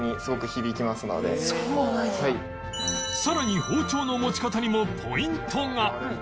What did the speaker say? さらに包丁の持ち方にもポイントが